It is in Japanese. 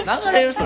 それ。